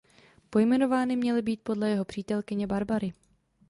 Pojmenovány měly být podle jeho přítelkyně Barbary.